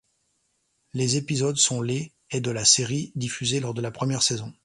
Les épisodes sont les et de la série, diffusés lors de la première saison.